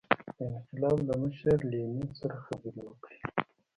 د انقلاب له مشر لینین سره خبرې وکړي.